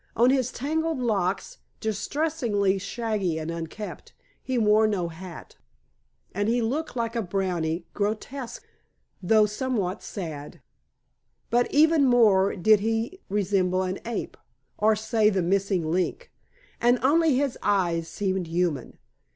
On his tangled locks distressingly shaggy and unkempt he wore no hat, and he looked like a brownie, grotesque, though somewhat sad. But even more did he resemble an ape or say the missing link and only his eyes seemed human.